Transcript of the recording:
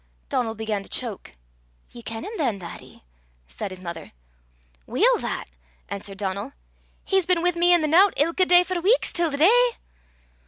Donal began to choke. "Ye ken him than, laddie?" said his mother. "Weel that," answered Donal. "He's been wi' me an' the nowt ilka day for weeks till the day."